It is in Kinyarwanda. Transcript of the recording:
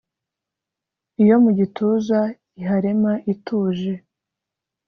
iyo mu gituza iharema ituje,